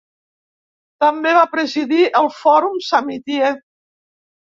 També va presidir el Fòrum Samitier.